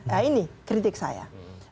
nah ini kritik saya